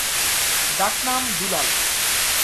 ডাকনাম দুলাল।